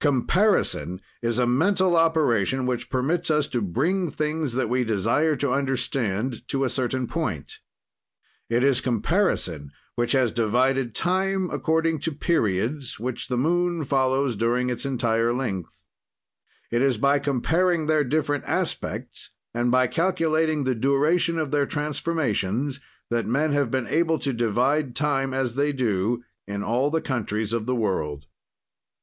"Comparison is a mental operation which permits us to bring things that we desire to understand to a certain point. "It is comparison which has divided time according to periods, which the moon follows during its entire length. "It is by comparing their different aspects and by calculating the duration of their transformations, that men have been able to divide time as they do in all the countries of the world.